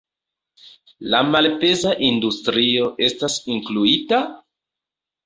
La malpeza industrio estas incluita?